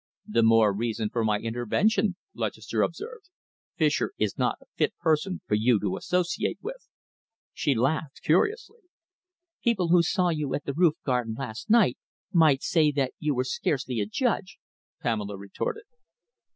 "The more reason for my intervention," Lutchester observed. "Fischer is not a fit person for you to associate with." She laughed curiously. "People who saw you at the roof garden last night might say that you were scarcely a judge," Pamela retorted.